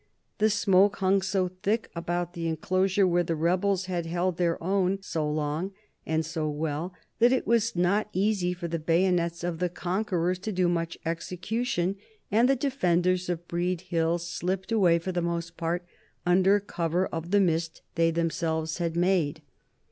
The smoke hung so thick about the enclosure where the rebels had held their own so long and so well that it was not easy for the bayonets of the conquerors to do much execution, and the defenders of Breed Hill slipped away for the most part under cover of the mist they themselves had made.